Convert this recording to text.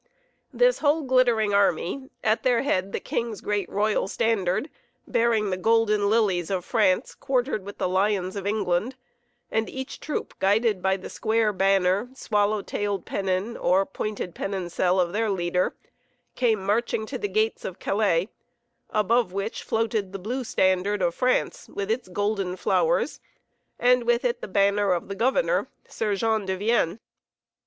This whole glittering army, at their head the king's great royal standard bearing the golden lilies of France quartered with the lions of England, and each troop guided by the square banner, swallow tailed pennon or pointed pennoncel of their leader, came marching to the gates of Calais, above which floated the blue standard of France with its golden flowers, and with it the banner of the governor, Sir Jean de Vienne.